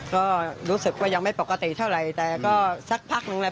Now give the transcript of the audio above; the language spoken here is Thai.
ก็รู้สึกว่ายังไม่ปกติเท่าไหร่แต่ก็สักพักนึงแหละ